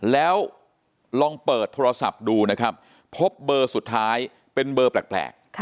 แล้วลองเปิดโทรศัพท์ดูนะครับพบเบอร์สุดท้ายเป็นเบอร์แปลก